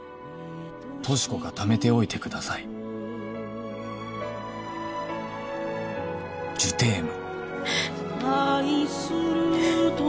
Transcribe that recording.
「俊子が貯めておいてください」「ジュテーム」